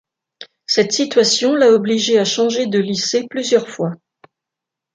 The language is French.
Cette situation l'a obligé à changer de lycée plusieurs fois.